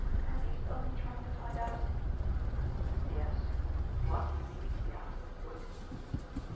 "Aggie's only trying to find out !" "Yes what?" he asked, waiting.